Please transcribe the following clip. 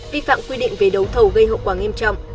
vi phạm quy định về đấu thầu gây hậu quả nghiêm trọng